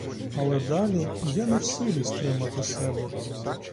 Але далі я не в силі стримати себе.